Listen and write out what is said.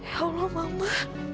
ya allah mama